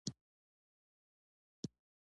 پنځلسم څپرکی د هوساینې او بېوزلۍ په اړه پوهېدل دي.